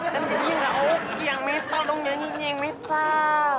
kan jadinya nggak oke yang metal dong nyanyinya yang metal